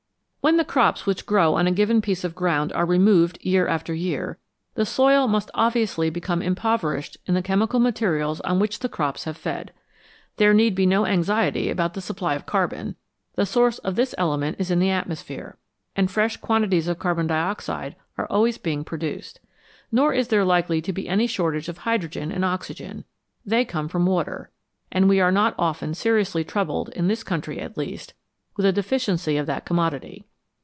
When the crops which grow on a given piece of ground are removed year after year, the soil must obviously become impoverished in the chemical materials on which the crops have fed. There need be no anxiety about the supply of carbon ; the source of this element is the atmosphere, and fresh quantities of carbon dioxide are always being produced. Nor is there likely to be any shortage of hydrogen and oxygen ; they come from water, and we are not often seriously troubled, in this country at least, with a deficiency of that commodity.